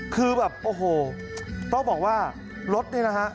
คือแบบโอ้โหต้องบอกว่ารถนี่นะฮะ